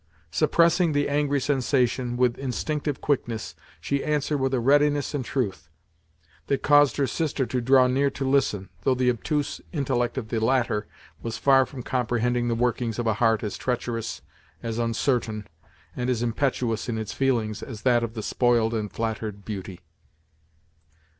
Suppressing the angry sensation, with instinctive quickness, she answered with a readiness and truth, that caused her sister to draw near to listen, though the obtuse intellect of the latter was far from comprehending the workings of a heart as treacherous, as uncertain, and as impetuous in its feelings, as that of the spoiled and flattered beauty.